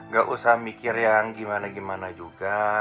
gak usah mikir yang gimana gimana juga